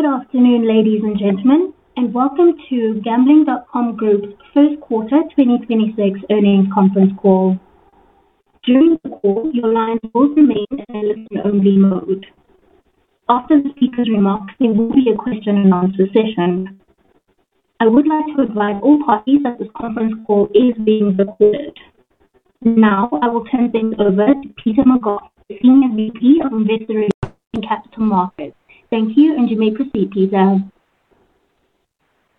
Good afternoon, ladies and gentlemen, welcome to Gambling.com Group's First Quarter 2026 Earnings Conference Call. During the call, your lines will remain in a listen-only mode. After the speaker's remarks, there will be a question-and-answer session. I would like to advise all parties that this conference call is being recorded. Now I will turn things over to Peter McGough, Senior VP of Investor Relations and Capital Markets. Thank you. You may proceed, Peter.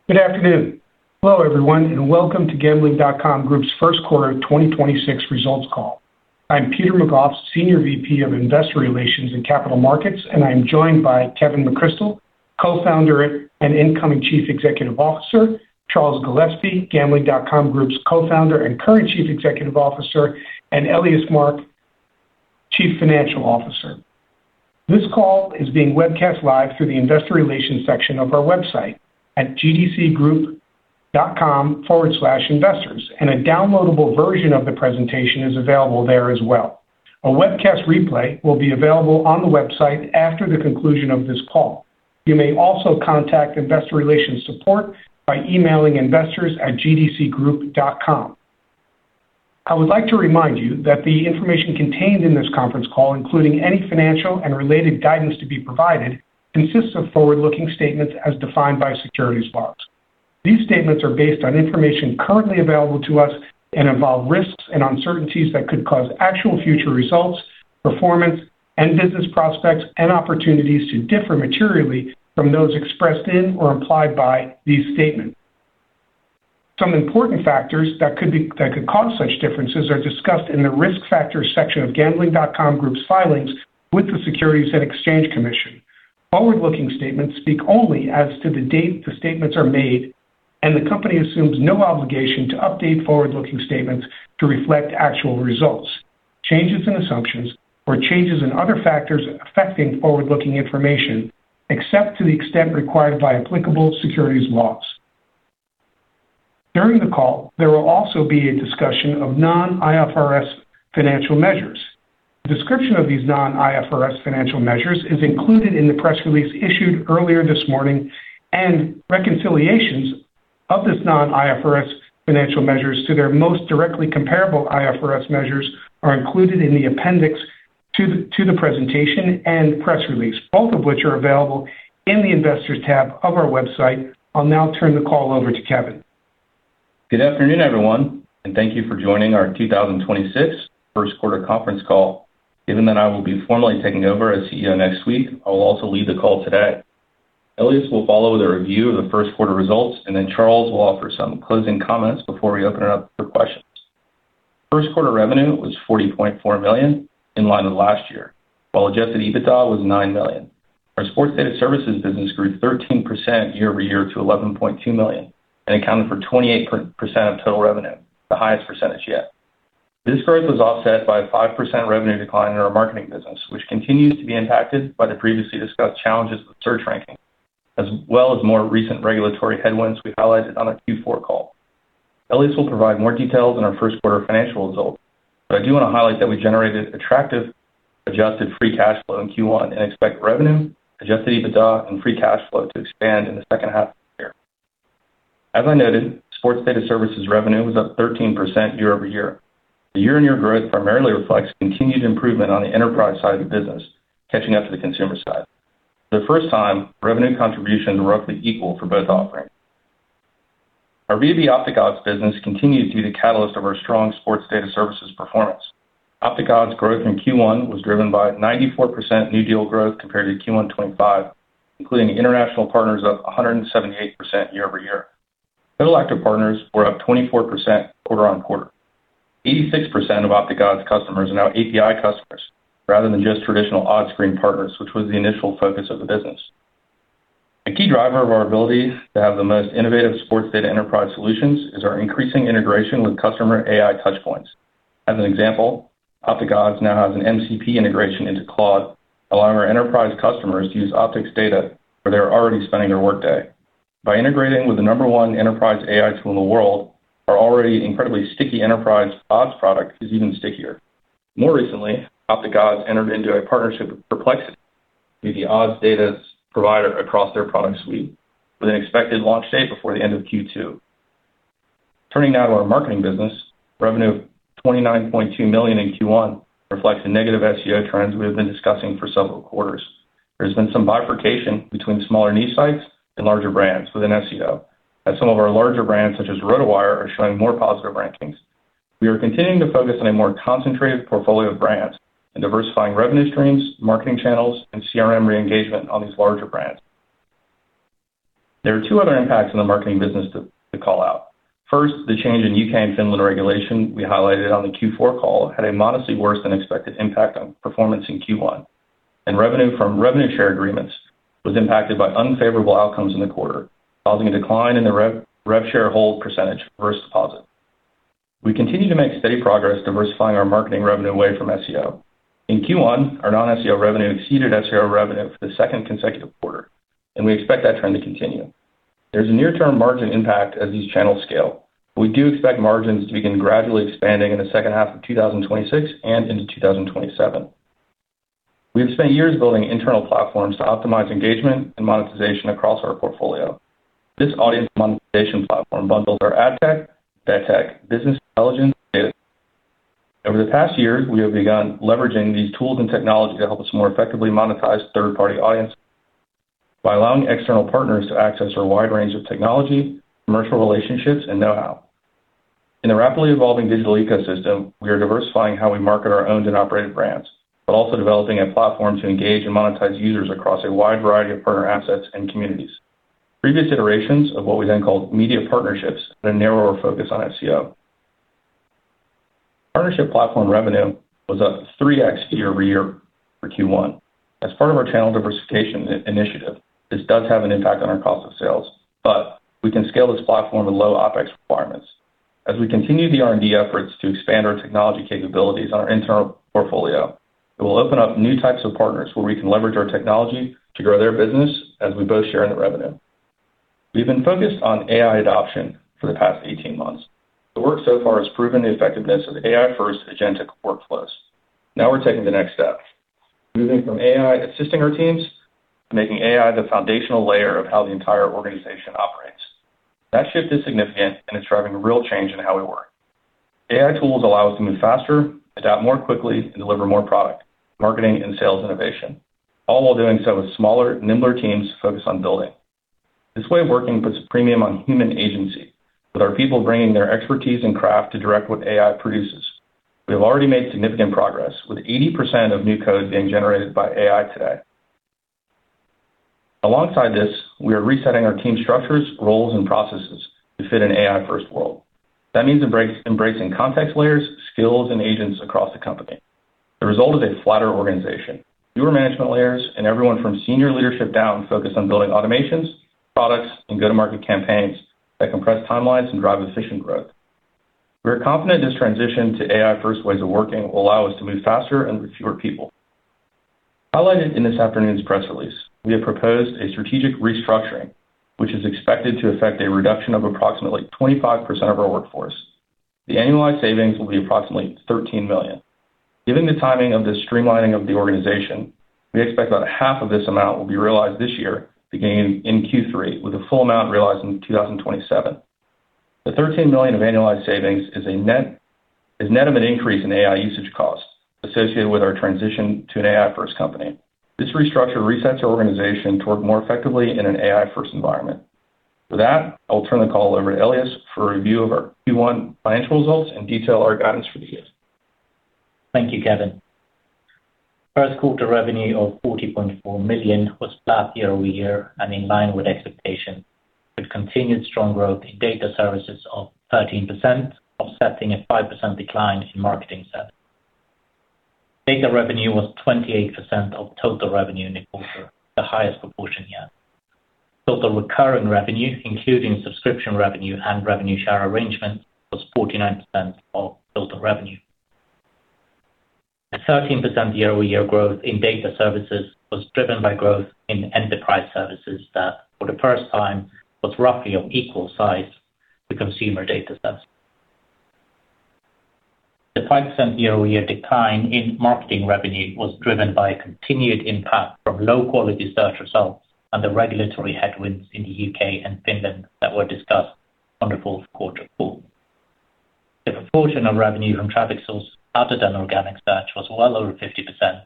Good afternoon. Hello, everyone, and welcome to Gambling.com Group's first quarter 2026 results call. I'm Peter McGough, Senior VP of Investor Relations and Capital Markets, and I am joined by Kevin McCrystle, Co-founder and incoming Chief Executive Officer, Charles Gillespie, Gambling.com Group's Co-founder and current Chief Executive Officer, and Elias Mark, Chief Financial Officer. This call is being webcast live through the investor relations section of our website at gdcgroup.com/investors, and a downloadable version of the presentation is available there as well. A webcast replay will be available on the website after the conclusion of this call. You may also contact investor relations support by emailing investors@gdcgroup.com. I would like to remind you that the information contained in this conference call, including any financial and related guidance to be provided, consists of forward-looking statements as defined by securities laws. These statements are based on information currently available to us and involve risks and uncertainties that could cause actual future results, performance, and business prospects and opportunities to differ materially from those expressed in or implied by these statements. Some important factors that could cause such differences are discussed in the Risk Factors section of Gambling.com Group's filings with the Securities and Exchange Commission. Forward-looking statements speak only as to the date the statements are made, and the company assumes no obligation to update forward-looking statements to reflect actual results, changes in assumptions, or changes in other factors affecting forward-looking information, except to the extent required by applicable securities laws. During the call, there will also be a discussion of non-IFRS financial measures. A description of these non-IFRS financial measures is included in the press release issued earlier this morning, and reconciliations of this non-IFRS financial measures to their most directly comparable IFRS measures are included in the appendix to the presentation and press release, both of which are available in the Investors tab of our website. I'll now turn the call over to Kevin. Good afternoon, everyone, thank you for joining our 2026 first quarter conference call. Given that I will be formally taking over as CEO next week, I will also lead the call today. Elias will follow with a review of the first quarter results, then Charles will offer some closing comments before we open it up for questions. First quarter revenue was 40.4 million, in line with last year, while adjusted EBITDA was 9 million. Our sports data services business grew 13% year-over-year to 11.2 million, accounted for 28% of total revenue, the highest percentage yet. This growth was offset by a 5% revenue decline in our marketing business, which continues to be impacted by the previously discussed challenges with search ranking, as well as more recent regulatory headwinds we highlighted on our Q4 call. Elias will provide more details on our first quarter financial results, but I do wanna highlight that we generated attractive adjusted free cash flow in Q1 and expect revenue, adjusted EBITDA, and free cash flow to expand in the second half of the year. As I noted, sports data services revenue was up 13% year-over-year. The year-on-year growth primarily reflects continued improvement on the enterprise side of the business, catching up to the consumer side. For the first time, revenue contribution roughly equal for both offerings. Our OpticOdds business continued to be the catalyst of our strong sports data services performance. OpticOdds growth in Q1 was driven by 94% new deal growth compared to Q1 2025, including international partners up 178% year-over-year. Total active partners were up 24% quarter-on-quarter. 86% of OpticOdds customers are now API customers rather than just traditional odd screen partners, which was the initial focus of the business. A key driver of our ability to have the most innovative sports data enterprise solutions is our increasing integration with customer AI touchpoints. As an example, OpticOdds now has an MCP integration into Claude, allowing our enterprise customers to use Optics data where they are already spending their workday. By integrating with the number one enterprise AI tool in the world, our already incredibly sticky enterprise odds product is even stickier. More recently, OpticOdds entered into a partnership with Perplexity to be the odds data's provider across their product suite with an expected launch date before the end of Q2. Turning now to our marketing business, revenue of 29.2 million in Q1 reflects the negative SEO trends we have been discussing for several quarters. There's been some bifurcation between smaller niche sites and larger brands within SEO, as some of our larger brands, such as RotoWire, are showing more positive rankings. We are continuing to focus on a more concentrated portfolio of brands and diversifying revenue streams, marketing channels, and CRM re-engagement on these larger brands. There are two other impacts in the marketing business to call out. First, the change in U.K. and Finland regulation we highlighted on the Q4 call had a modestly worse than expected impact on performance in Q1, and revenue from revenue share agreements was impacted by unfavorable outcomes in the quarter, causing a decline in the rev share hold % versus deposit. We continue to make steady progress diversifying our marketing revenue away from SEO. In Q1, our non-SEO revenue exceeded SEO revenue for the second consecutive quarter, and we expect that trend to continue. There's a near-term margin impact as these channels scale. We do expect margins to begin gradually expanding in the second half of 2026 and into 2027. We have spent years building internal platforms to optimize engagement and monetization across our portfolio. This audience monetization platform bundles our ad tech, data tech, business intelligence, data. Over the past years, we have begun leveraging these tools and technology to help us more effectively monetize third-party audience by allowing external partners to access our wide range of technology, commercial relationships, and know-how. In the rapidly evolving digital ecosystem, we are diversifying how we market our owned and operated brands, but also developing a platform to engage and monetize users across a wide variety of partner assets and communities. Previous iterations of what we then called media partnerships had a narrower focus on SEO. Partnership platform revenue was up 3x year-over-year for Q1. As part of our channel diversification in-initiative, this does have an impact on our cost of sales, but we can scale this platform with low OpEx requirements. As we continue the R&D efforts to expand our technology capabilities on our internal portfolio, it will open up new types of partners where we can leverage our technology to grow their business as we both share in the revenue. We've been focused on AI adoption for the past 18 months. The work so far has proven the effectiveness of AI-first agentic workflows. Now we're taking the next step, moving from AI assisting our teams to making AI the foundational layer of how the entire organization operates. That shift is significant, and it's driving real change in how we work. AI tools allow us to move faster, adapt more quickly, and deliver more product, marketing and sales innovation, all while doing so with smaller, nimbler teams focused on building. This way of working puts a premium on human agency, with our people bringing their expertise and craft to direct what AI produces. We have already made significant progress, with 80% of new code being generated by AI today. Alongside this, we are resetting our team structures, roles, and processes to fit an AI-first world. That means embracing context layers, skills, and agents across the company. The result is a flatter organization, newer management layers, and everyone from senior leadership down focused on building automations, products, and go-to-market campaigns that compress timelines and drive efficient growth. We are confident this transition to AI-first ways of working will allow us to move faster and with fewer people. Highlighted in this afternoon's press release, we have proposed a strategic restructuring, which is expected to affect a reduction of approximately 25% of our workforce. The annualized savings will be approximately 13 million. Given the timing of this streamlining of the organization, we expect about half of this amount will be realized this year, beginning in Q3, with the full amount realized in 2027. The 13 million of annualized savings is net of an increase in AI usage costs associated with our transition to an AI-first company. This restructure resets our organization to work more effectively in an AI-first environment. For that, I'll turn the call over to Elias for a review of our Q1 financial results and detail our guidance for the year. Thank you, Kevin. First quarter revenue of 40.4 million was flat year-over-year and in line with expectation, with continued strong growth in data services of 13%, offsetting a 5% decline in marketing spend. Data revenue was 28% of total revenue in the quarter, the highest proportion yet. Total recurring revenue, including subscription revenue and revenue share arrangement, was 49% of total revenue. A 13% year-over-year growth in data services was driven by growth in enterprise services that, for the first time, was roughly of equal size to consumer data services. The 5% year-over-year decline in marketing revenue was driven by a continued impact from low-quality search results and the regulatory headwinds in the U.K. and Finland that were discussed on the fourth quarter call. The proportion of revenue from traffic source other than organic search was well over 50%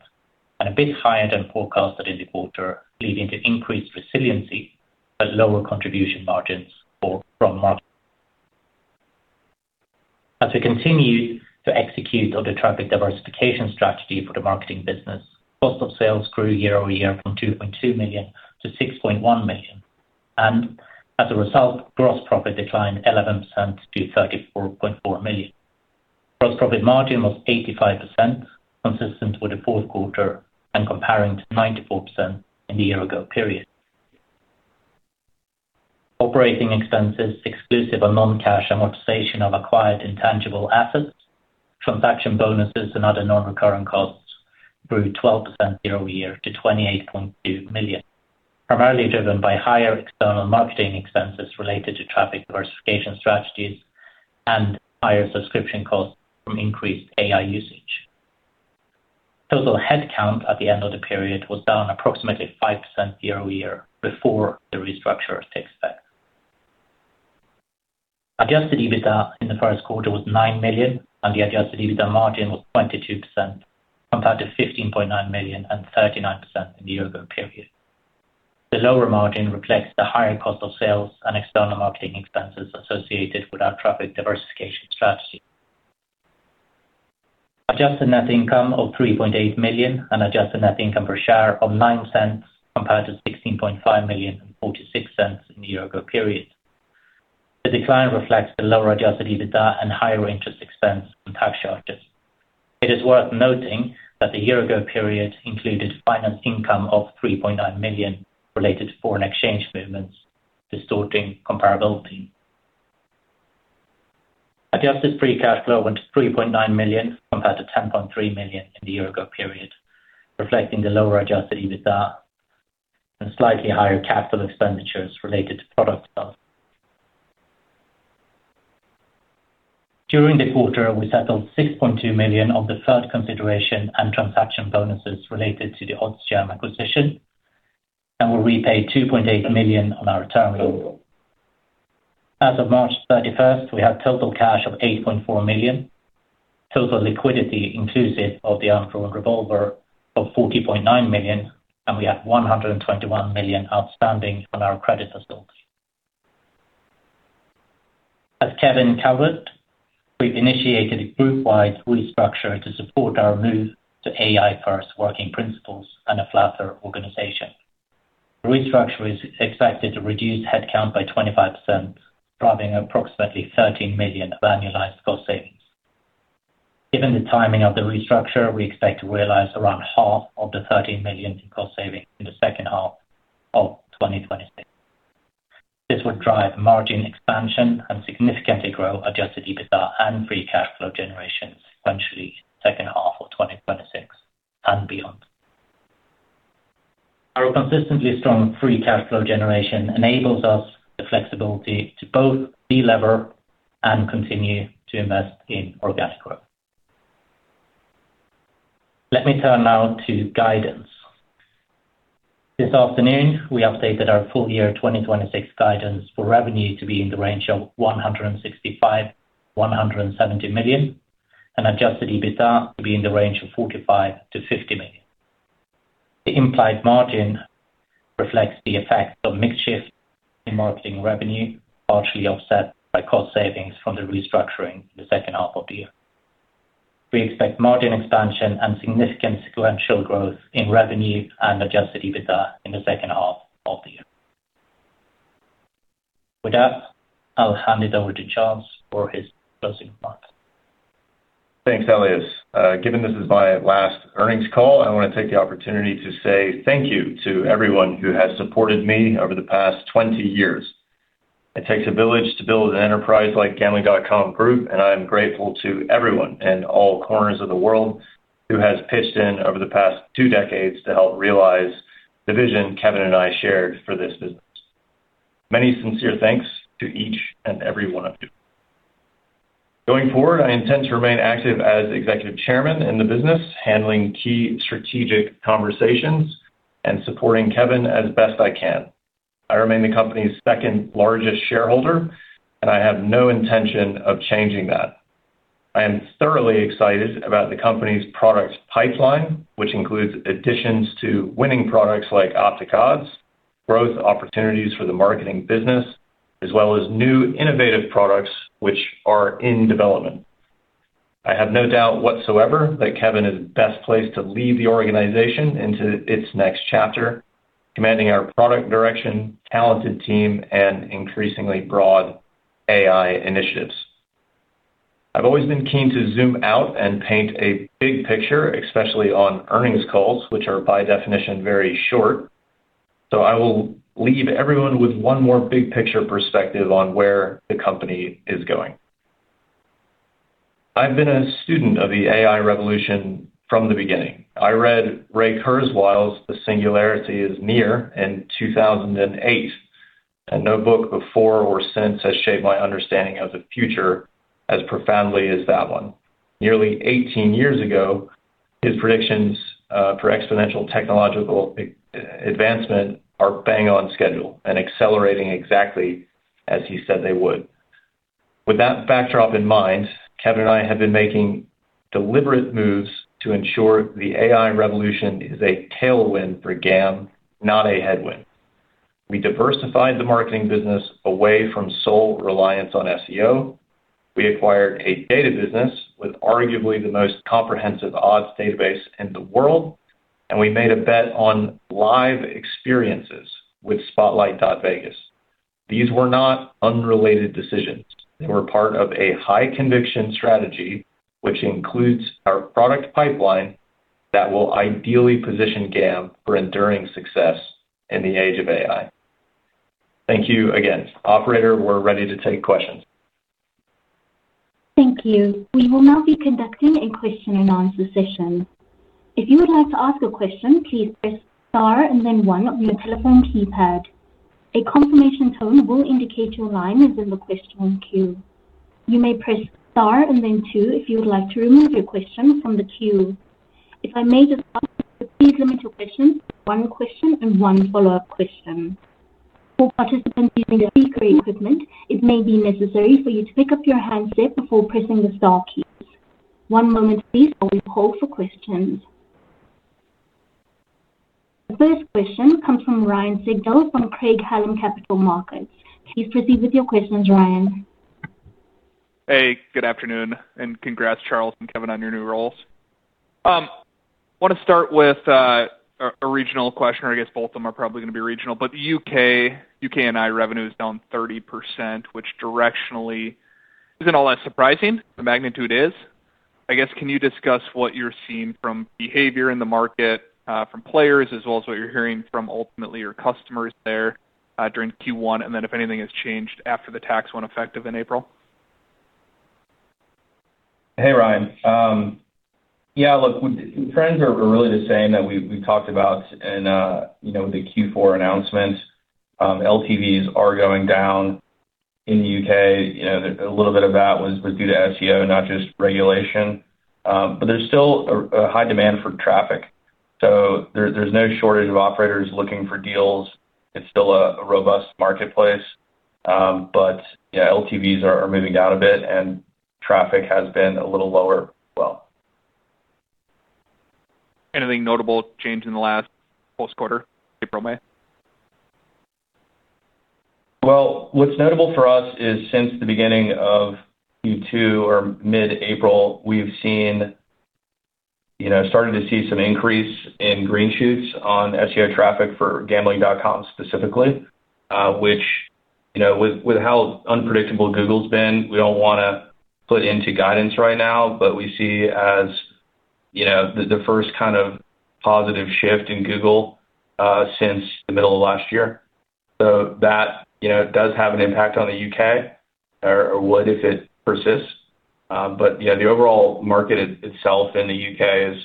and a bit higher than forecasted in the quarter, leading to increased resiliency but lower contribution margins for from market. As we continue to execute on the traffic diversification strategy for the marketing business, cost of sales grew year-over-year from 2.2 to 6.1 million. As a result, gross profit declined 11% to 34.4 million. Gross profit margin was 85%, consistent with the fourth quarter and comparing to 94% in the year ago period. Operating expenses exclusive of non-cash amortization of acquired intangible assets, transaction bonuses, and other non-recurring costs grew 12% year-over-year to 28.2 million, primarily driven by higher external marketing expenses related to traffic diversification strategies and higher subscription costs from increased AI usage. Total headcount at the end of the period was down approximately 5% year-over-year before the restructure takes effect. Adjusted EBITDA in the first quarter was 9 million, and the adjusted EBITDA margin was 22%, compared to 15.9 million and 39% in the year ago period. The lower margin reflects the higher cost of sales and external marketing expenses associated with our traffic diversification strategy. Adjusted net income of 3.8 million and adjusted net income per share of 0.09 compared to 16.5 million and 0.46 in the year ago period. The decline reflects the lower adjusted EBITDA and higher interest expense and tax charges. It is worth noting that the year ago period included finance income of 3.9 million related to foreign exchange movements distorting comparability. Adjusted free cash flow went to 3.9 million compared to 10.3 million in the year ago period, reflecting the lower adjusted EBITDA and slightly higher capital expenditures related to product development. During the quarter, we settled 6.2 million of the deferred consideration and transaction bonuses related to the OddsJam acquisition and will repay 2.8 million on our term loan. As of March 31st, we have total cash of 8.4 million, total liquidity inclusive of the undrawn revolver of 40.9 million, we have 121 million outstanding on our credit facilities. As Kevin covered, we've initiated a group-wide restructure to support our move to AI-first working principles and a flatter organization. Restructure is expected to reduce headcount by 25%, driving approximately 13 million of annualized cost savings. Given the timing of the restructure, we expect to realize around half of the 13 million in cost savings in the second half of 2026. This would drive margin expansion and significantly grow adjusted EBITDA and free cash flow generation sequentially second half of 2026 and beyond. Our consistently strong free cash flow generation enables us the flexibility to both delever and continue to invest in organic growth. Let me turn now to guidance. This afternoon, we updated our full-year 2026 guidance for revenue to be in the range of 165 to 170 million and adjusted EBITDA to be in the range of 45 to 50 million. The implied margin reflects the effect of mix shift in marketing revenue, partially offset by cost savings from the restructuring in the second half of the year. We expect margin expansion and significant sequential growth in revenue and adjusted EBITDA in the second half of the year. With that, I'll hand it over to Charles for his closing remarks. Thanks, Elias. Given this is my last earnings call, I wanna take the opportunity to say thank you to everyone who has supported me over the past 20 years. It takes a village to build an enterprise like Gambling.com Group, and I am grateful to everyone in all corners of the world who has pitched in over the past two decades to help realize the vision Kevin and I shared for this business. Many sincere thanks to each and every one of you. Going forward, I intend to remain active as executive chairman in the business, handling key strategic conversations and supporting Kevin as best I can. I remain the company's second-largest shareholder, and I have no intention of changing that. I am thoroughly excited about the company's products pipeline, which includes additions to winning products like OpticOdds, growth opportunities for the marketing business, as well as new innovative products which are in development. I have no doubt whatsoever that Kevin is best placed to lead the organization into its next chapter, commanding our product direction, talented team, and increasingly broad AI initiatives. I've always been keen to zoom out and paint a big picture, especially on earnings calls, which are by definition very short. I will leave everyone with one more big picture perspective on where the company is going. I've been a student of the AI revolution from the beginning. I read Ray Kurzweil's The Singularity Is Near in 2008, and no book before or since has shaped my understanding of the future as profoundly as that one. Nearly 18 years ago, his predictions for exponential technological advancement are bang on schedule and accelerating exactly as he said they would. With that backdrop in mind, Kevin and I have been making deliberate moves to ensure the AI revolution is a tailwind for GAMB, not a headwind. We diversified the marketing business away from sole reliance on SEO. We acquired a data business with arguably the most comprehensive odds database in the world, and we made a bet on live experiences with spotlight.vegas. These were not unrelated decisions. They were part of a high conviction strategy, which includes our product pipeline that will ideally position GAMB for enduring success in the age of AI. Thank you again. Operator, we're ready to take questions. Thank you. We will now be conducting a question-and-answer session. If you would like to ask a question, please press star and then one on your telephone keypad. A confirmation tone will indicate your line is in the question queue. You may press star and then two if you would like to remove your question from the queue. If I may just ask, please limit your questions to one question and one follow-up question. For participants using the speaker equipment, it may be necessary for you to pick up your handset before pressing the star keys. One moment please while we hold for questions. The first question comes from Ryan Sigdahl from Craig-Hallum Capital Group. Please proceed with your questions, Ryan. Hey, good afternoon, and congrats, Charles and Kevin, on your new roles. Wanna start with a regional question, or I guess both of them are probably gonna be regional, but the U.K., U.K.&I revenue is down 30%, which directionally isn't all that surprising. The magnitude is, I guess, can you discuss what you're seeing from behavior in the market from players as well as what you're hearing from ultimately your customers there during Q1, and then if anything has changed after the tax went effective in April? Hey, Ryan. Yeah, look, trends are really the same that we talked about in, you know, the Q4 announcement. LTVs are going down in the U.K. You know, a little bit of that was due to SEO, not just regulation. There's still a high demand for traffic. There's no shortage of operators looking for deals. It's still a robust marketplace. Yeah, LTVs are moving down a bit, and traffic has been a little lower as well. Anything notable change in the last post quarter, April, May? Well, what's notable for us is since the beginning of Q2 or mid-April, we've seen, you know, started to see some increase in green shoots on SEO traffic for Gambling.com specifically. Which, you know, with how unpredictable Google's been, we don't wanna put into guidance right now, but we see as, you know, the first kind of positive shift in Google, since the middle of last year. That, you know, does have an impact on the U.K., or would if it persists. Yeah, the overall market itself in the U.K. is,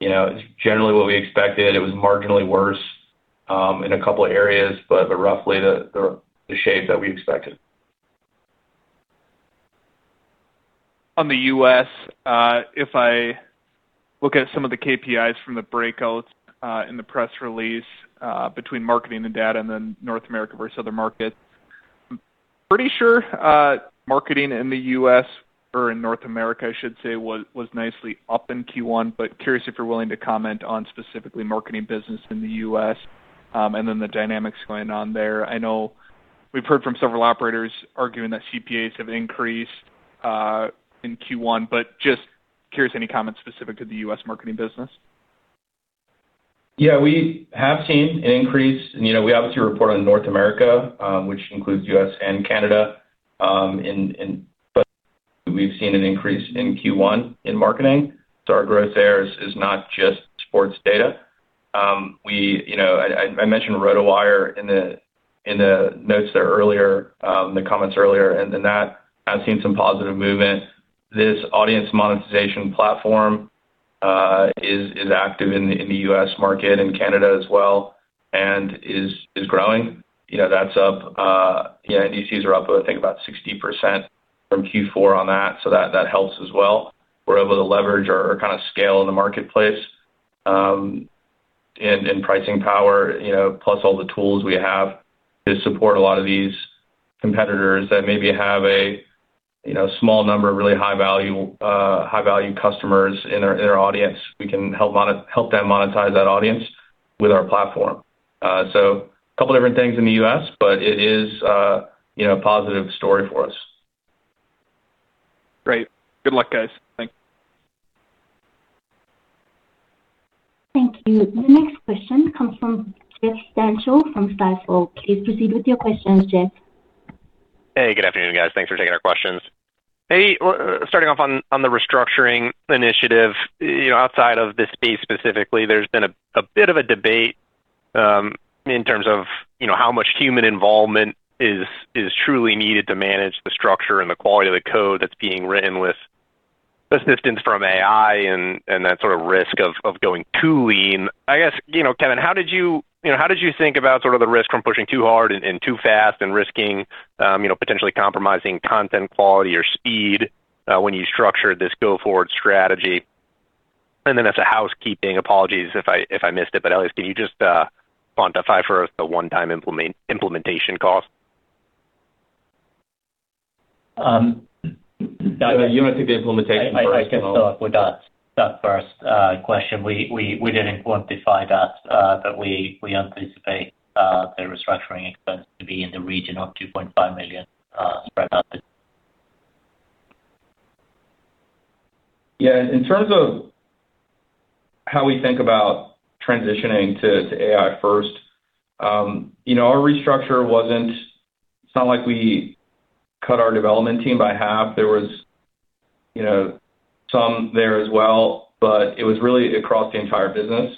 you know, is generally what we expected. It was marginally worse in a couple areas, but roughly the shape that we expected. On the U.S., if I look at some of the KPIs from the breakouts, in the press release, between marketing and data and then North America versus other markets. I'm pretty sure, marketing in the U.S. or in North America, I should say, was nicely up in Q1, but curious if you're willing to comment on specifically marketing business in the U.S., and then the dynamics going on there. I know we've heard from several operators arguing that CPAs have increased in Q1, but just curious, any comments specific to the U.S. marketing business? Yeah, we have seen an increase. You know, we obviously report on North America, which includes U.S. and Canada. We've seen an increase in Q1 in marketing. Our growth there is not just sports data. We, you know, I mentioned RotoWire in the notes there earlier, in the comments earlier, that has seen some positive movement. This audience monetization platform is active in the U.S. market and Canada as well, and is growing. You know, that's up. Yeah, NDCs are up, I think, about 60% from Q4 on that helps as well. We're able to leverage or kind of scale in the marketplace, in pricing power, you know, plus all the tools we have to support a lot of these competitors that maybe have a, you know, small number of really high value customers in our audience. We can help them monetize that audience with our platform. A couple different things in the U.S., but it is, you know, a positive story for us. Great. Good luck, guys. Thank you. Thank you. The next question comes from Jeffrey Stantial from Stifel. Please proceed with your questions, Jeff. Hey, good afternoon, guys. Thanks for taking our questions. Hey, starting off on the restructuring initiative. You know, outside of this space specifically, there's been a bit of a debate, in terms of, you know, how much human involvement is truly needed to manage the structure and the quality of the code that's being written with assistance from AI and that sort of risk of going too lean. I guess, you know, Kevin, how did you know, how did you think about sort of the risk from pushing too hard and too fast and risking, potentially compromising content quality or speed, when you structured this go-forward strategy? As a housekeeping, apologies if I missed it, but Elias, can you just quantify for us the one-time implementation cost? I can start with that first question. We didn't quantify that, but we anticipate the restructuring expense to be in the region of 2.5 million spread out. Yeah. In terms of how we think about transitioning to AI first, you know, it's not like we cut our development team by half. There was, you know, some there as well. It was really across the entire business.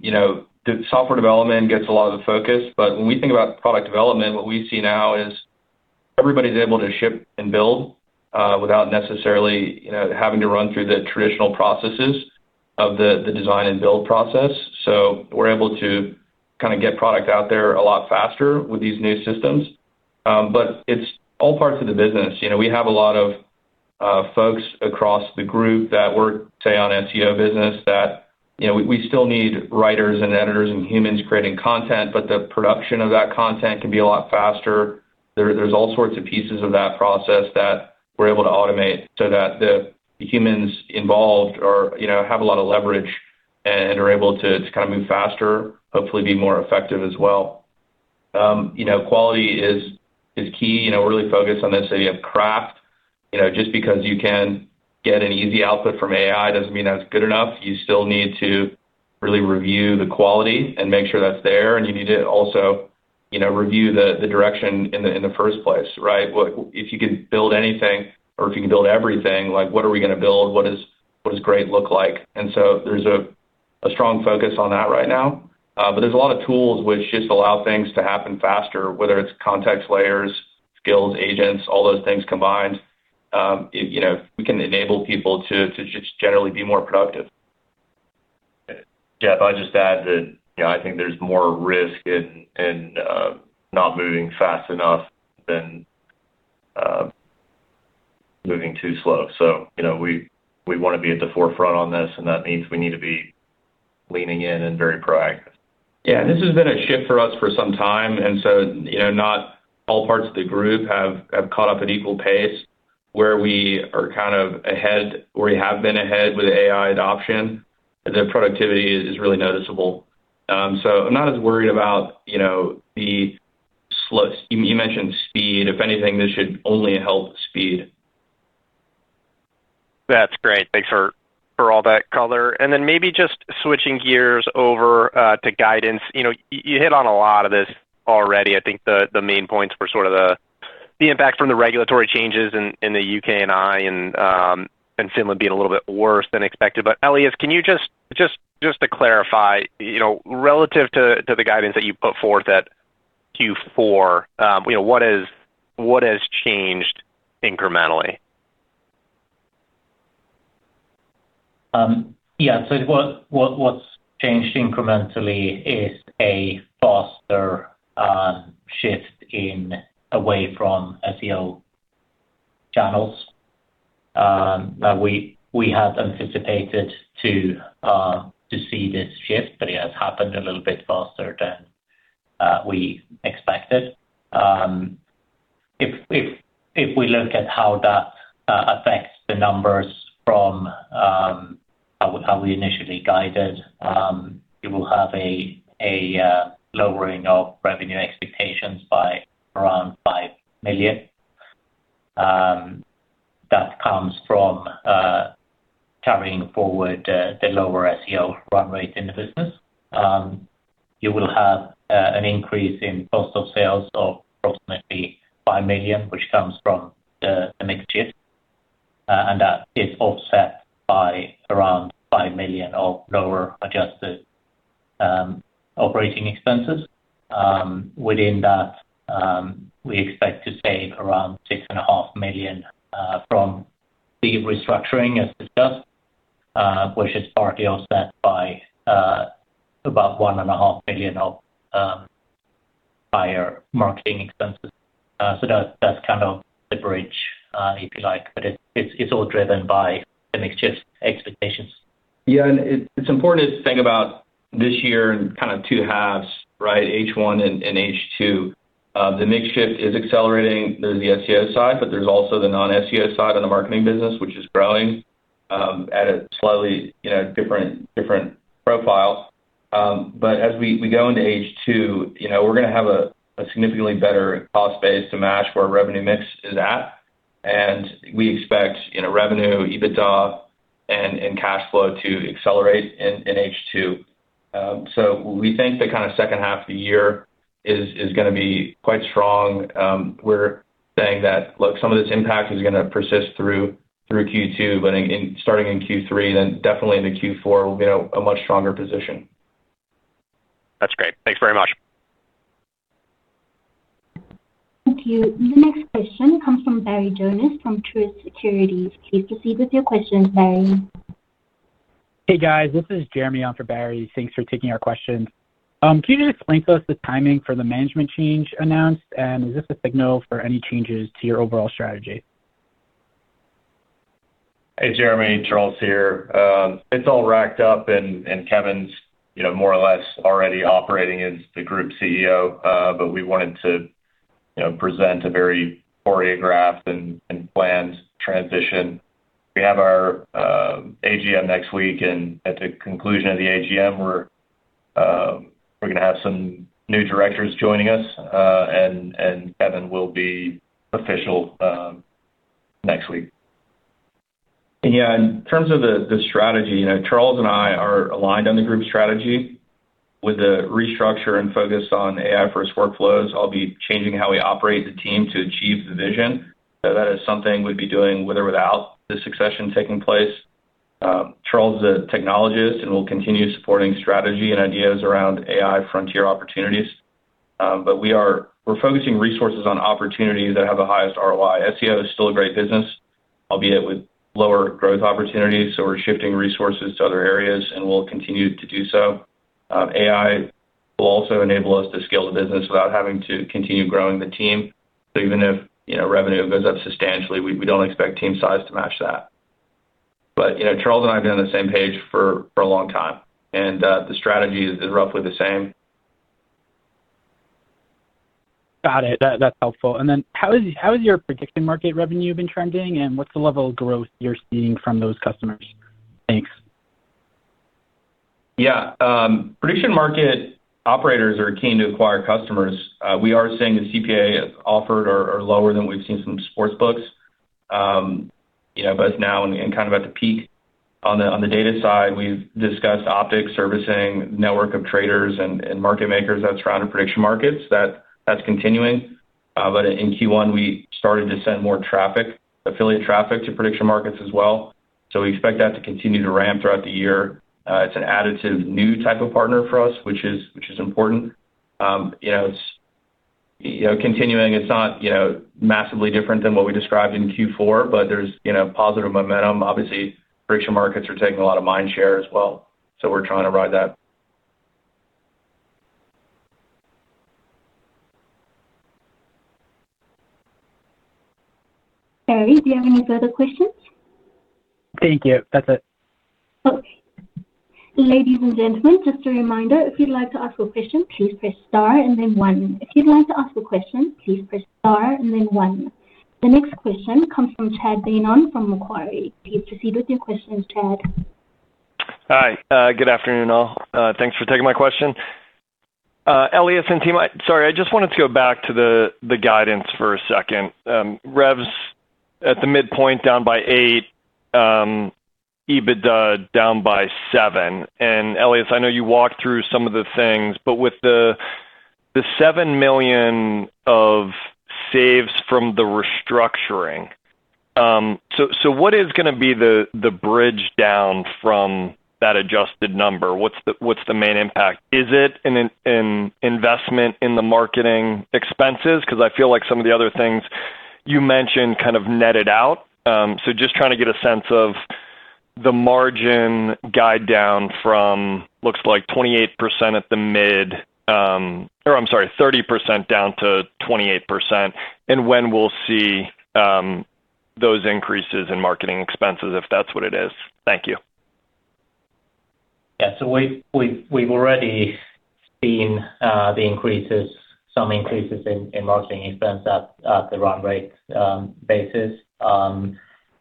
You know, the software development gets a lot of the focus. When we think about product development, what we see now is everybody's able to ship and build without necessarily, you know, having to run through the traditional processes of the design and build process. We're able to kind of get product out there a lot faster with these new systems. It's all parts of the business. You know, we have a lot of folks across the group that work, say, on NDC business that, you know, we still need writers and editors and humans creating content. The production of that content can be a lot faster. There's all sorts of pieces of that process that we're able to automate so that the humans involved are, you know, have a lot of leverage and are able to kind of move faster, hopefully be more effective as well. You know, quality is key. You know, we're really focused on this. You have craft. You know, just because you can get an easy output from AI doesn't mean that's good enough. You still need to really review the quality and make sure that's there. You need to also, you know, review the direction in the first place, right? If you could build anything or if you can build everything, like, what are we gonna build? What does, what does great look like? There's a strong focus on that right now. There's a lot of tools which just allow things to happen faster, whether it's context layers, skills, agents, all those things combined. You know, we can enable people to just generally be more productive. Jeff, I'd just add that, you know, I think there's more risk in not moving fast enough than moving too slow. You know, we wanna be at the forefront on this, and that means we need to be leaning in and very proactive. Yeah, this has been a shift for us for some time, and, you know, not all parts of the group have caught up at equal pace. Where we are kind of ahead or we have been ahead with AI adoption, the productivity is really noticeable. I'm not as worried about, you know, the slow You mentioned speed. If anything, this should only help speed. That's great. Thanks for all that color. Maybe just switching gears over to guidance. You know, you hit on a lot of this already. I think the main points were sort of the impact from the regulatory changes in the U.K. and I and Finland being a little bit worse than expected. Elias, can you just to clarify, you know, relative to the guidance that you put forth at Q4, you know, what has changed incrementally? Yeah. What's changed incrementally is a faster shift in away from SEO channels that we had anticipated to see this shift, but it has happened a little bit faster than we expected. If we look at how that affects the numbers from how we initially guided, you will have a lowering of revenue expectations by around 5 million. That comes from carrying forward the lower SEO run rate in the business. You will have an increase in cost of sales of approximately 5 million, which comes from the mix shift, and that is offset by around 5 million of lower adjusted operating expenses. Within that, we expect to save around 6.5 Million from the restructuring as discussed, which is partly offset by about 1.5 Million of higher marketing expenses. That's kind of the bridge, if you like, but it's all driven by the mix shift expectations. It's important to think about this year in kind of two halves, right? H1 and H2. The mix shift is accelerating. There's the SEO side, but there's also the non-SEO side of the marketing business, which is growing, at a slightly, you know, different profile. As we go into H2, you know, we're gonna have a significantly better cost base to match where our revenue mix is at, and we expect, you know, revenue, EBITDA and cash flow to accelerate in H2. We think the kinda second half of the year is gonna be quite strong. We're saying that, look, some of this impact is gonna persist through Q2, but starting in Q3, then definitely into Q4, we'll be in a much stronger position. That's great. Thanks very much. Thank you. The next question comes from Barry Jonas from Truist Securities. Please proceed with your question, Barry. Hey, guys. This is Jeremy on for Barry. Thanks for taking our questions. Can you just explain to us the timing for the management change announced, and is this a signal for any changes to your overall strategy? Hey, Jeremy. Charles here. It's all racked up and Kevin's, you know, more or less already operating as the group CEO. We wanted to, you know, present a very choreographed and planned transition. We have our AGM next week, and at the conclusion of the AGM, we're going to have some new directors joining us, and Kevin will be official next week. Yeah, in terms of the strategy, you know, Charles and I are aligned on the group strategy. With the restructure and focus on AI first workflows, I'll be changing how we operate the team to achieve the vision. That is something we'd be doing with or without the succession taking place. Charles is a technologist and will continue supporting strategy and ideas around AI frontier opportunities. We're focusing resources on opportunities that have the highest ROI. SEO is still a great business, albeit with lower growth opportunities, so we're shifting resources to other areas and we'll continue to do so. AI will also enable us to scale the business without having to continue growing the team. Even if, you know, revenue goes up substantially, we don't expect team size to match that. You know, Charles and I have been on the same page for a long time, and the strategy is roughly the same. Got it. That's helpful. How has your prediction market revenue been trending, and what's the level of growth you're seeing from those customers? Thanks. Prediction market operators are keen to acquire customers. We are seeing the CPAs offered are lower than we've seen from sportsbooks. You know, now and kind of at the peak on the, on the data side, we've discussed OpticOdds servicing, network of traders and market makers that surround prediction markets. That's continuing. In Q1, we started to send more traffic, affiliate traffic to prediction markets as well. We expect that to continue to ramp throughout the year. It's an additive new type of partner for us, which is important. You know, it's, you know, continuing, it's not, you know, massively different than what we described in Q4, there's, you know, positive momentum. Obviously, prediction markets are taking a lot of mind share as well, we're trying to ride that. Barry, do you have any further questions? Thank you. That's it. Okay. Ladies and gentlemen, just a reminder, if you'd like to ask a question please press star and then one. The next question comes from Chad Beynon from Macquarie. Please proceed with your questions, Chad. Hi. Good afternoon, all. Thanks for taking my question. Elias and team, I just wanted to go back to the guidance for a second. Revs at the midpoint down by 8, EBITDA down by 7. Elias, I know you walked through some of the things, but with the 7 million of saves from the restructuring, what is gonna be the bridge down from that adjusted number? What's the main impact? Is it an investment in the marketing expenses? 'Cause I feel like some of the other things you mentioned kind of netted out. Just trying to get a sense of the margin guide down from looks like 28% at the mid, Or I'm sorry, 30% down to 28%, and when we'll see, those increases in marketing expenses, if that's what it is. Thank you. We've already seen the increases, some increases in marketing expense at the run rate basis.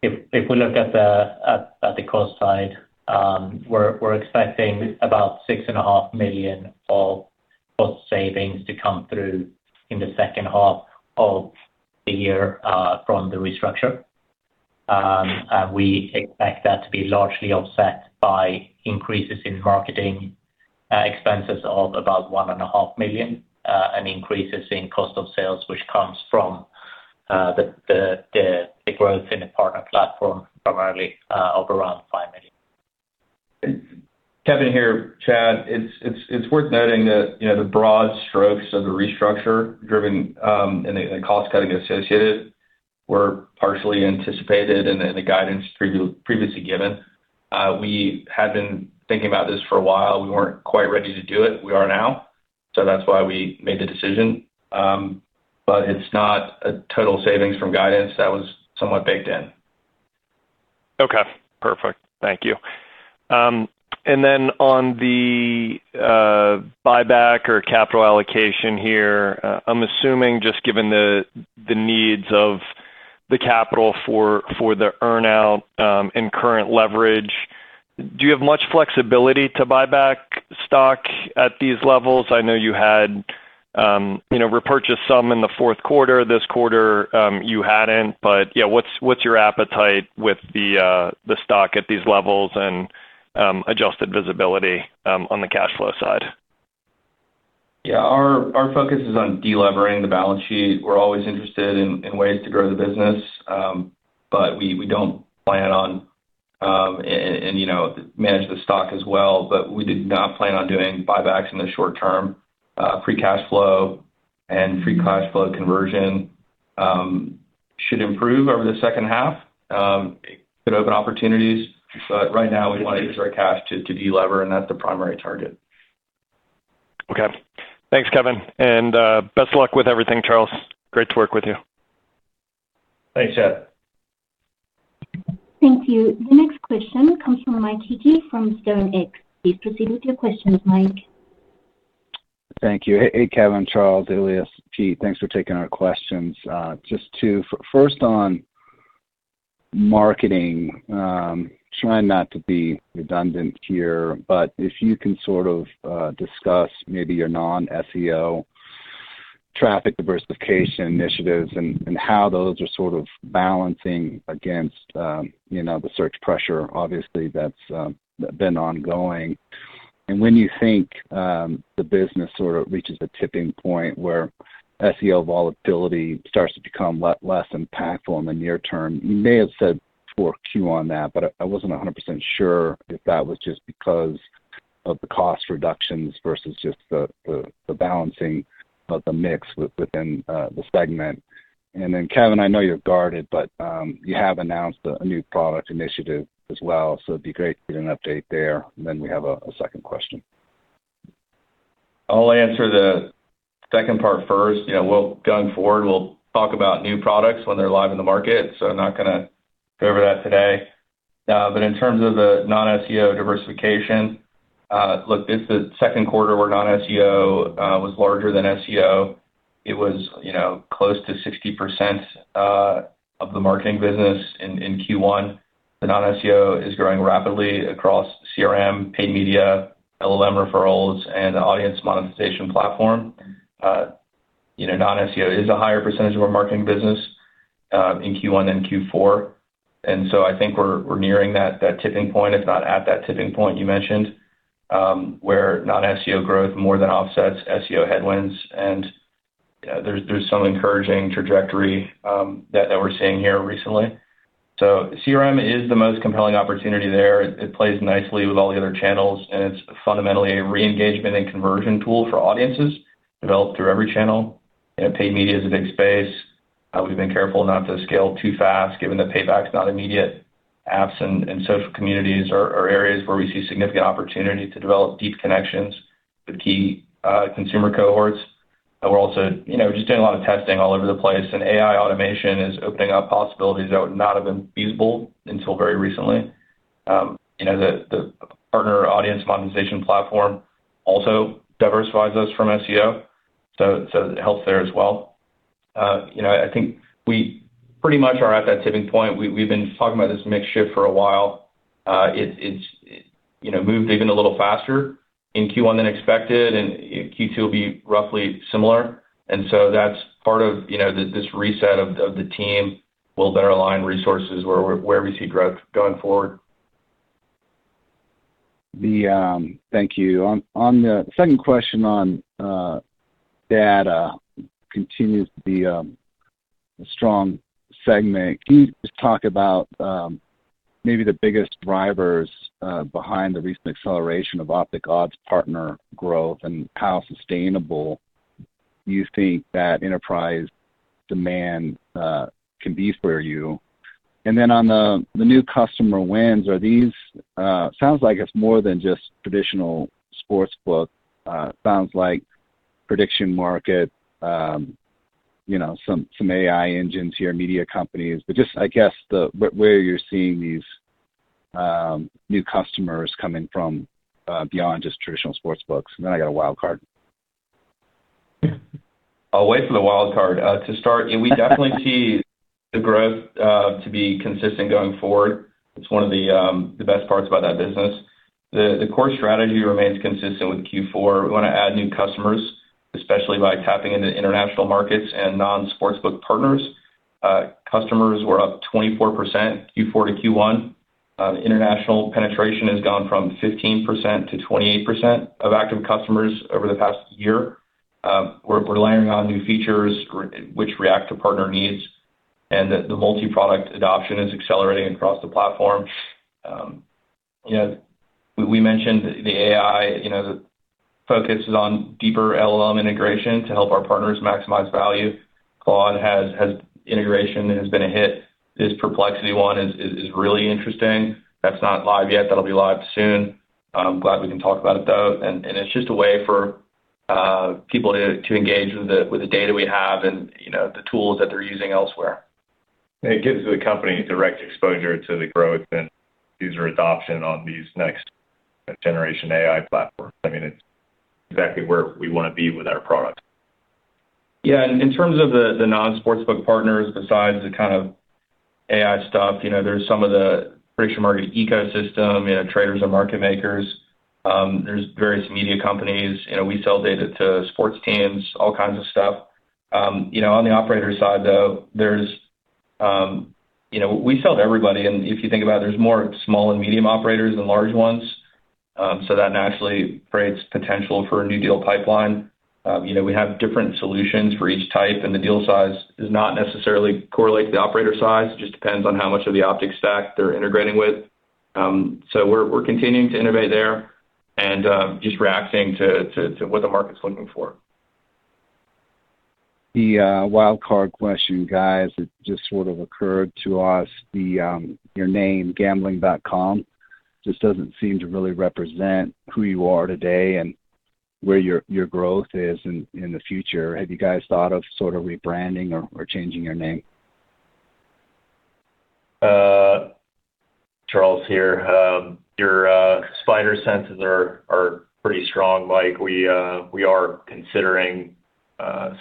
If we look at the cost side, we're expecting about 6.5 million of cost savings to come through in the second half of the year from the restructure. We expect that to be largely offset by increases in marketing expenses of about 1.5 million and increases in cost of sales, which comes from the growth in the partner platform primarily, of around 5 million. Kevin here, Chad. It's worth noting that, you know, the broad strokes of the restructure driven, and the cost-cutting associated were partially anticipated in the guidance previously given. We had been thinking about this for a while. We weren't quite ready to do it. We are now, so that's why we made the decision. It's not a total savings from guidance. That was somewhat baked in. Okay. Perfect. Thank you. On the buyback or capital allocation here, I'm assuming just given the needs of the capital for the earn-out and current leverage, do you have much flexibility to buy back stock at these levels? I know you had, you know, repurchased some in the fourth quarter. This quarter, you hadn't. What's your appetite with the stock at these levels and adjusted visibility on the cash flow side? Our focus is on de-levering the balance sheet. We're always interested in ways to grow the business, but we don't plan on, and, you know, manage the stock as well, but we did not plan on doing buybacks in the short term. Free cash flow and free cash flow conversion should improve over the second half. It could open opportunities, but right now we wanna use our cash to de-lever, and that's the primary target. Okay. Thanks, Kevin. Best of luck with everything, Charles. Great to work with you. Thanks, Chad. Thank you. The next question comes from Mike Hickey from StoneX. Please proceed with your questions, Mike. Thank you. Hey, Kevin, Charles, Elias, Pete, thanks for taking our questions. Just two. First on marketing. Trying not to be redundant here, but if you can sort of discuss maybe your non-SEO traffic diversification initiatives and how those are sort of balancing against, you know, the search pressure obviously that's been ongoing. When you think the business sort of reaches a tipping point where SEO volatility starts to become less impactful in the near term. You may have said fourth Q on that, but I wasn't 100% sure if that was just because of the cost reductions versus just the balancing of the mix within the segment. Kevin McCrystle, I know you're guarded, but you have announced a new product initiative as well, so it'd be great to get an update there. We have a second question. I'll answer the second part first. You know, going forward, we'll talk about new products when they're live in the market, so I'm not gonna go over that today. In terms of the non-SEO diversification, look, this is the second quarter where non-SEO was larger than SEO. It was, you know, close to 60% of the marketing business in Q1. The non-SEO is growing rapidly across CRM, paid media, LLM referrals, and the audience monetization platform. You know, non-SEO is a higher percentage of our marketing business in Q1 than Q4. I think we're nearing that tipping point, if not at that tipping point you mentioned, where non-SEO growth more than offsets SEO headwinds. There's some encouraging trajectory that we're seeing here recently. CRM is the most compelling opportunity there. It plays nicely with all the other channels, and it's fundamentally a re-engagement and conversion tool for audiences developed through every channel. You know, paid media is a big space. We've been careful not to scale too fast given the payback's not immediate. Apps and social communities are areas where we see significant opportunity to develop deep connections with key consumer cohorts. We're also, you know, just doing a lot of testing all over the place. AI automation is opening up possibilities that would not have been feasible until very recently. You know, the partner audience monetization platform also diversifies us from SEO, so it helps there as well. You know, I think we pretty much are at that tipping point. We've been talking about this mix shift for a while. It's, you know, moved even a little faster in Q1 than expected, and Q2 will be roughly similar. That's part of, you know, this reset of the team will better align resources where we see growth going forward. Thank you. On the second question on data continues to be a strong segment. Can you just talk about maybe the biggest drivers behind the recent acceleration of OpticOdds partner growth and how sustainable you think that enterprise demand can be for you? On the new customer wins, are these, sounds like it's more than just traditional sportsbook. Sounds like prediction market, you know, some AI engines here, media companies. I guess where you're seeing these new customers coming from beyond just traditional sportsbooks. I got a wildcard. I'll wait for the wildcard. To start, we definitely see the growth to be consistent going forward. It's one of the best parts about that business. The core strategy remains consistent with Q4. We wanna add new customers, especially by tapping into international markets and non-sportsbook partners. Customers were up 24% Q4 to Q1. International penetration has gone from 15% to 28% of active customers over the past year. We're layering on new features which react to partner needs, and the multi-product adoption is accelerating across the platform. You know, we mentioned the AI, you know, the focus is on deeper LLM integration to help our partners maximize value. Claude has integration and has been a hit. This Perplexity one is really interesting. That's not live yet. That'll be live soon. I'm glad we can talk about it though. It's just a way for people to engage with the data we have and, you know, the tools that they're using elsewhere. It gives the company direct exposure to the growth and user adoption on these next generation AI platforms. I mean, it's exactly where we wanna be with our product. Yeah. In terms of the non-sportsbook partners besides the kind of AI stuff, you know, there's some of the prediction market ecosystem, you know, traders or market makers. There's various media companies. You know, we sell data to sports teams, all kinds of stuff. You know, on the operator side, though, there's You know, we sell to everybody, and if you think about it, there's more small and medium operators than large ones. That naturally creates potential for a new deal pipeline. You know, we have different solutions for each type, and the deal size does not necessarily correlate to the operator size. It just depends on how much of the Optic stack they're integrating with. So we're continuing to innovate there and, just reacting to what the market's looking for. The wildcard question, guys. It just sort of occurred to us. Your name Gambling.com just doesn't seem to really represent who you are today and where your growth is in the future. Have you guys thought of sort of rebranding or changing your name? Charles here. Your spider senses are pretty strong, Mike. We are considering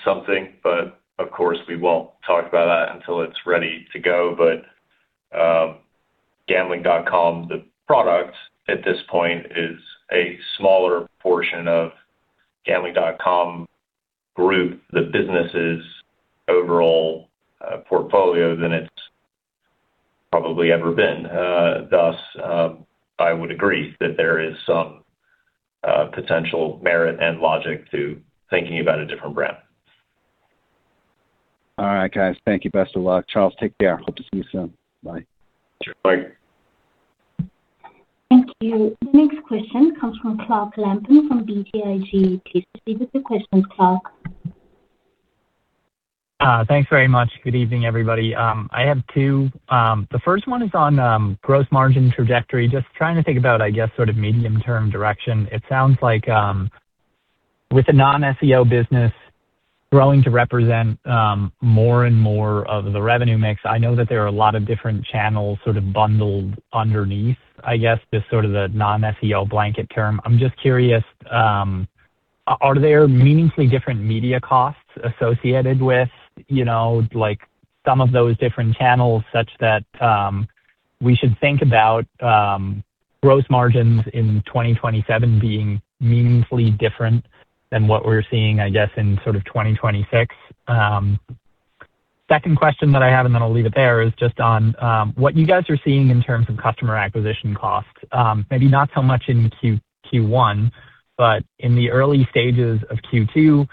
something, but of course, we won't talk about that until it's ready to go. Gambling.com, the product at this point is a smaller portion of Gambling.com Group, the business's overall portfolio than it's probably ever been. Thus, I would agree that there is some potential merit and logic to thinking about a different brand. All right, guys. Thank you. Best of luck. Charles, take care. Hope to see you soon. Bye. Sure. Bye. Thank you. The next question comes from Clark Lampen from BTIG. Please proceed with your question, Clark. Thanks very much. Good evening, everybody. I have two. The first one is on gross margin trajectory. Just trying to think about, I guess, sort of medium-term direction. It sounds like, with the non-SEO business growing to represent, more and more of the revenue mix, I know that there are a lot of different channels sort of bundled underneath, I guess, this sort of the non-SEO blanket term. I'm just curious, are there meaningfully different media costs associated with, you know, like some of those different channels such that, we should think about, gross margins in 2027 being meaningfully different than what we're seeing, I guess, in sort of 2026? Second question that I have, and then I'll leave it there, is just on what you guys are seeing in terms of customer acquisition costs. Maybe not so much in Q1, but in the early stages of Q2,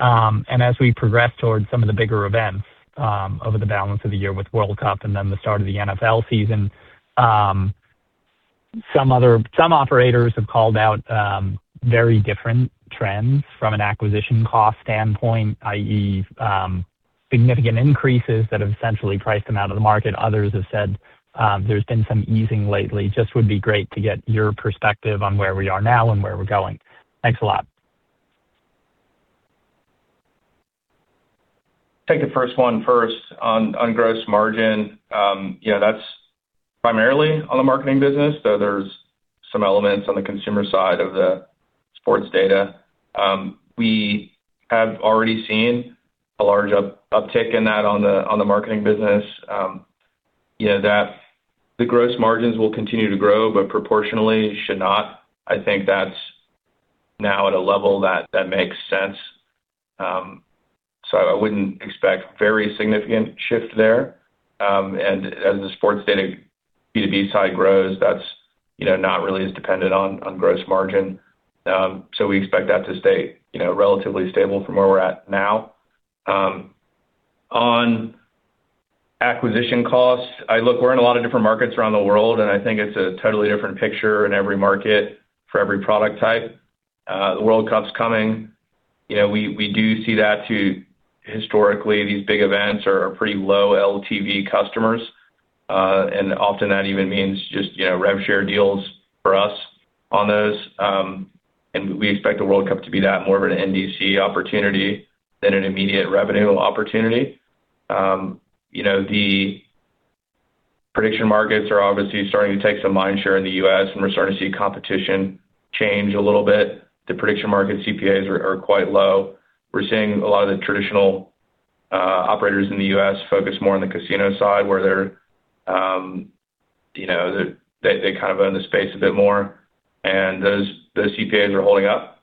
and as we progress towards some of the bigger events, over the balance of the year with World Cup and then the start of the NFL season. Some operators have called out, very different trends from an acquisition cost standpoint, i.e., significant increases that have essentially priced them out of the market. Others have said, there's been some easing lately. Just would be great to get your perspective on where we are now and where we're going. Thanks a lot. Take the first one first. On gross margin, yeah, that's primarily on the marketing business, though there's some elements on the consumer side of the sports data. We have already seen a large uptick in that on the marketing business. You know, that the gross margins will continue to grow, proportionally should not. I think that's now at a level that makes sense. I wouldn't expect very significant shift there. As the sports data B2B side grows, that's, you know, not really as dependent on gross margin. We expect that to stay, you know, relatively stable from where we're at now. On acquisition costs, look, we're in a lot of different markets around the world, I think it's a totally different picture in every market for every product type. The World Cup's coming. You know, we do see that too. Historically, these big events are pretty low LTV customers, often that even means just, you know, rev share deals for us on those. We expect the World Cup to be that more of an NDC opportunity than an immediate revenue opportunity. You know, the prediction markets are obviously starting to take some mind share in the U.S., we're starting to see competition change a little bit. The prediction market CPAs are quite low. We're seeing a lot of the traditional operators in the U.S. focus more on the casino side where they're, you know, they kind of own the space a bit more. Those CPAs are holding up.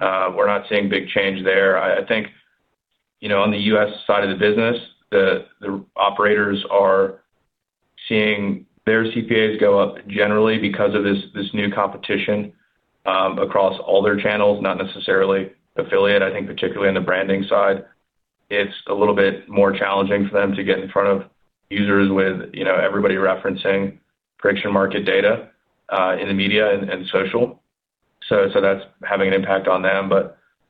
We're not seeing big change there. I think, you know, on the U.S. side of the business, the operators are seeing their CPAs go up generally because of this new competition across all their channels, not necessarily affiliate. I think particularly on the branding side, it's a little bit more challenging for them to get in front of users with, you know, everybody referencing prediction market data in the media and social. That's having an impact on them.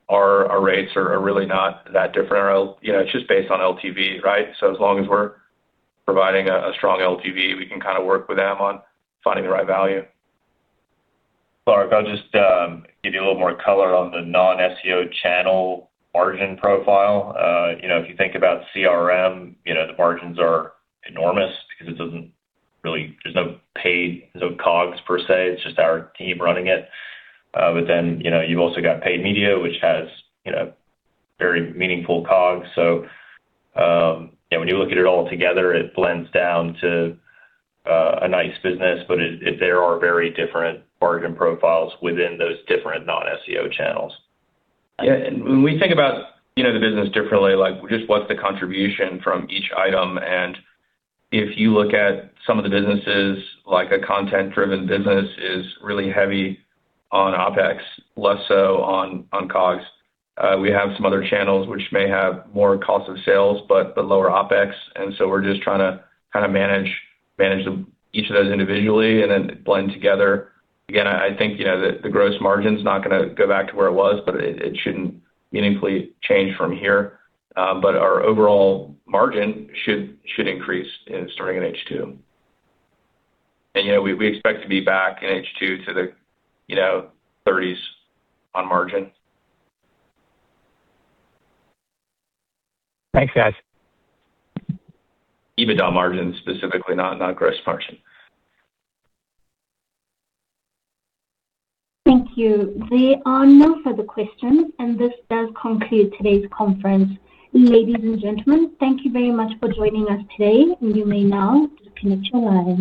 Our rates are really not that different. You know, it's just based on LTV, right? As long as we're providing a strong LTV, we can kind of work with them on finding the right value. Clark, I'll just give you a little more color on the non-SEO channel margin profile. You know, if you think about CRM, you know, the margins are enormous because there's no paid, there's no COGS per se. It's just our team running it. You know, you've also got paid media, which has, you know, very meaningful COGS. Yeah, when you look at it all together, it blends down to a nice business. There are very different margin profiles within those different non-SEO channels. Yeah. When we think about, you know, the business differently, like just what's the contribution from each item. If you look at some of the businesses, like a content-driven business is really heavy on OpEx, less so on COGS. We have some other channels which may have more cost of sales, but lower OpEx. We're just trying to kind of manage each of those individually and then blend together. Again, I think, you know, the gross margin's not gonna go back to where it was, but it shouldn't meaningfully change from here. Our overall margin should increase starting in H2. You know, we expect to be back in H2 to the, you know, 30s on margin. Thanks, guys. EBITDA margin, specifically, not gross margin. Thank you. There are no further questions, and this does conclude today's conference. Ladies and gentlemen, thank you very much for joining us today. You may now disconnect your lines.